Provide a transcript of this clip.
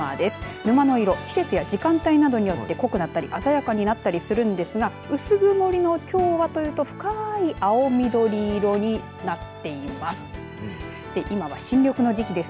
沼の色は季節や時間によって濃くなったり鮮やかになりますが薄曇りのきょうは深い青緑色になっています。